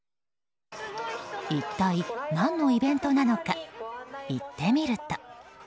一体、何のイベントなのか行ってみると。